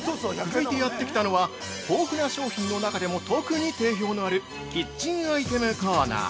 ◆続いてやってきたのは豊富な商品の中でも特に定評のあるキッチンアイテムコーナー。